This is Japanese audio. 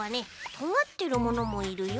とがってるものもいるよ。